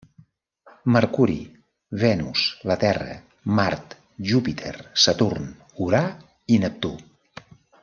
Mercuri, Venus, la Terra, Mart, Júpiter, Saturn, Urà i Neptú.